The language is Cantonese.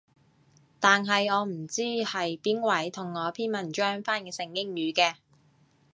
但係我唔知係邊位同我篇文章翻譯成英語嘅